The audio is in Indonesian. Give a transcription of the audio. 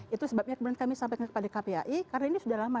itu sebabnya kemudian kami sampaikan kepada kpai karena ini sudah lama